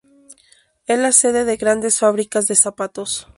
Es la sede de grandes fábricas de zapatos.